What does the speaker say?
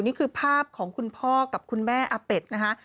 นี่คือภาพของคุณพ่อกับคุณแม่อาเป็ดนะคะ